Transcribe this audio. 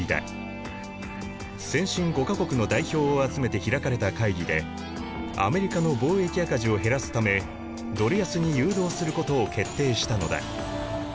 先進５か国の代表を集めて開かれた会議でアメリカの貿易赤字を減らすためドル安に誘導することを決定したのだ。